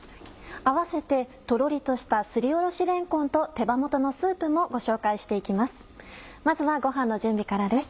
併せてとろりとした「すりおろしれんこんと手羽元のスープ」もご紹介して行きます